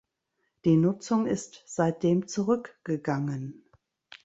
Die Nutzung ist seitdem zurückgegangen.